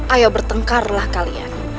ayo bertengkarlah kalian